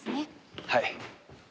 はい。